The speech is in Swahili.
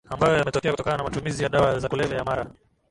ambayo yametokea kutokana na matumizi ya dawa za kulevya ya mara